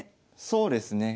そうですね。